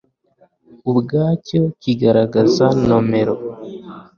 ubwacyo kigaragaza nomero